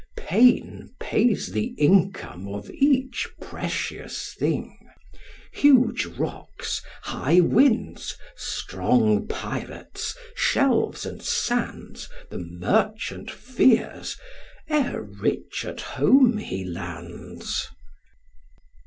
Pain pays the income of each precious thing; Huge rocks, high winds, strong pirates, shelves and sands, The merchant fears, ere rich at home he lands.'